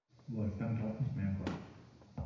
Wolfgang glaubt nicht mehr an Gott.